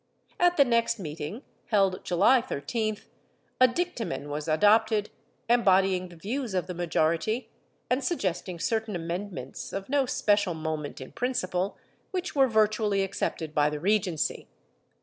At the next meeting, held July 13th, a dictamen was adopted, embodying the views of the majority and suggesting certain amendments, of no special moment in principle, which were virtually accepted by the Regency.